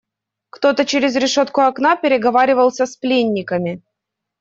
Кто-то через решетку окна переговаривался с пленниками.